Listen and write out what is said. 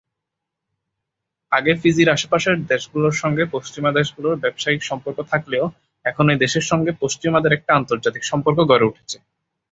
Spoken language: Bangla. আগে ফিজির আশপাশের দেশগুলোর সঙ্গে পশ্চিমা দেশগুলোর ব্যবসায়িক সম্পর্ক থাকলেও এখন এই দেশের সঙ্গে পশ্চিমাদের একটা আন্তর্জাতিক সম্পর্ক গড়ে উঠেছে।